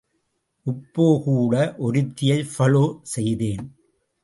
இப்போகூட ஒருத்தியை ஃபாலோ செய்தேன்.